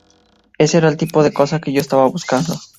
Ese era el tipo de cosa que yo estaba buscando.